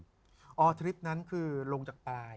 อ๋อทฤษฐานนั้นคือลงจากปลาย